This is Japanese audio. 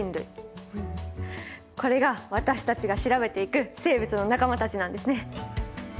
これが私たちが調べていく生物の仲間たちなんですね。